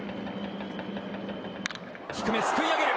低めすくい上げる！